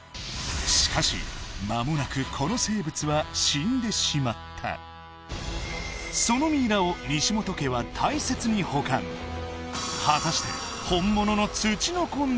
しかし間もなくこの生物は死んでしまったそのミイラを西本家は大切に保管果たして